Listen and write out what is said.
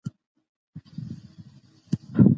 په څلورمه مرحله کي خلګ سوله او خوښي غواړي.